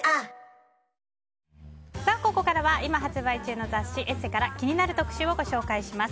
ここからは今発売中の雑誌「ＥＳＳＥ」から気になる特集をご紹介します。